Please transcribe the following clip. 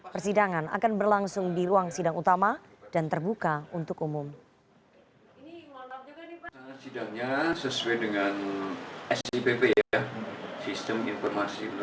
persidangan akan berlangsung di ruang sidang utama dan terbuka untuk umum